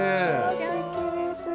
すてきです。